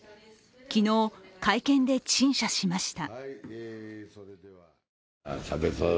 昨日、会見で陳謝しました。